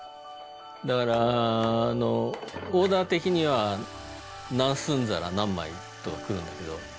だからあのオーダー的には何寸皿何枚とくるんだけど。